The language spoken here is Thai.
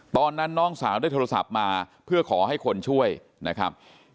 น้องสาวได้โทรศัพท์มาเพื่อขอให้คนช่วยนะครับ